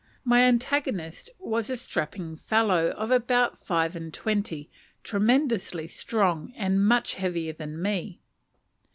My antagonist was a strapping fellow of about five and twenty, tremendously strong, and much heavier than me.